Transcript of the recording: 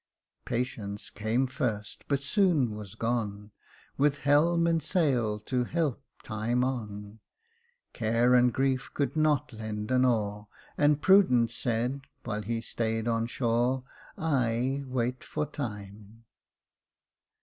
* Patience came first, but soon was gone, With helm and sail to help time on ; Care and Grief could not lend an oar. And Prudence said (while he stayed on shore },' I wait for Time.'